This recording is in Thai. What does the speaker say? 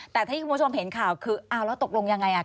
แต่ที่คุณผู้ชมเห็นข่าวคืออ้าวแล้วตกลงยังไง